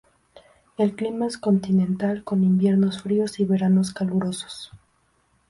El clima es continental, con inviernos fríos y veranos calurosos.